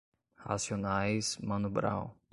Racionais, Mano Brown